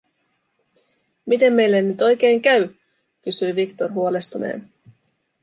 "Miten meille nyt oikei käy?", kysyi Victor huolestuneena.